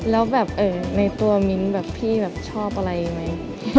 แล้วแบบในตัวมิ้นท์แบบพี่ชอบอะไรอีกไหม